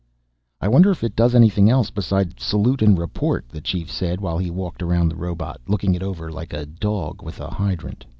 "I wonder if it does anything else beside salute and report," the Chief said while he walked around the robot, looking it over like a dog with a hydrant.